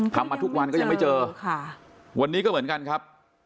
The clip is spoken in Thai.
ทำมาทุกวันก็ยังไม่เจอค่ะวันนี้ก็เหมือนกันครับ